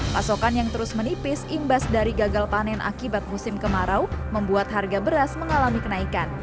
pasokan yang terus menipis imbas dari gagal panen akibat musim kemarau membuat harga beras mengalami kenaikan